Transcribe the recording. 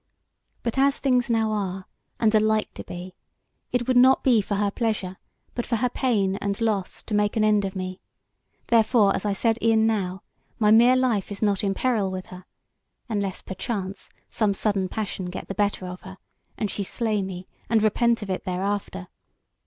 But as things now are, and are like to be, it would not be for her pleasure, but for her pain and loss, to make an end of me, therefore, as I said e'en now, my mere life is not in peril with her; unless, perchance, some sudden passion get the better of her, and she slay me, and repent of it thereafter.